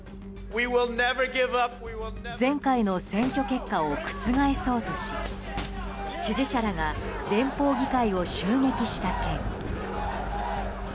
前回の選挙結果を覆そうとし支持者らが連邦議会を襲撃した件。